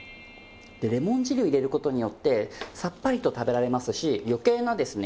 レモン汁を入れる事によってさっぱりと食べられますし余計なですね